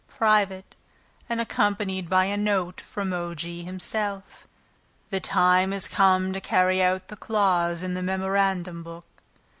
(private)" and accompanied by a note from O. G. himself: The time has come to carry out the clause in the memorandum book.